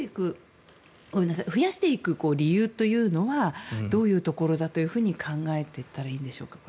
増やしていく理由というのはどういうところだと考えたらいいんでしょうか。